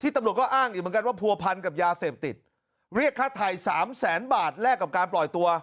ตำรวจก็อ้างอีกเหมือนกันว่าผัวพันกับยาเสพติดเรียกค่าไทยสามแสนบาทแลกกับการปล่อยตัว